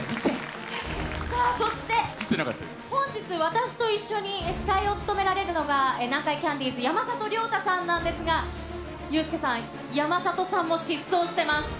そして、本日、私と一緒に司会を務められるのが、南海キャンディーズ・山里亮太さんなんですが、ユースケさん、え？